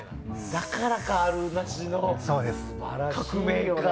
だから、あるなしの革命家。